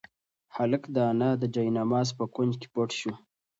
هلک د انا د جاینماز په کونج کې پټ شو.